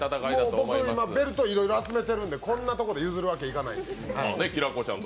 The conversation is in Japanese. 僕、今、ベルトいろいろ集めているので、こんなところで譲るわけにいかないので。